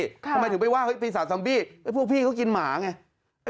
ทำไมถึงไปว่าเฮ้ยปีศาจซัมบี้พวกพี่เขากินหมาไง